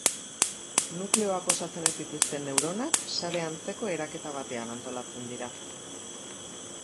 Nukleoak osatzen ez dituzten neuronak sare-antzeko eraketa batean antolatzen dira.